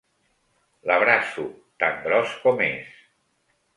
L'abraço, tan gros com és.